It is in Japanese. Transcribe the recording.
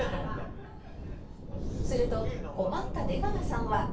「すると困った出川さんは」